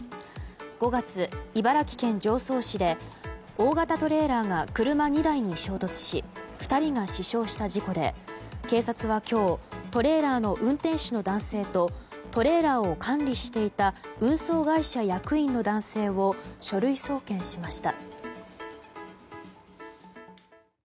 ５月、茨城県常総市で大型トレーラーが車２台に衝突し２人が死傷した事故で警察は今日トレーラーの運転手の男性とトレーラーを管理していた運送会社役員の男性を書類送検しました。